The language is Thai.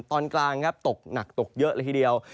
ตอนกลางครับตกหนักตกเยอะเลยทีเดียว